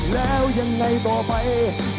แล้วยังไงต่อไป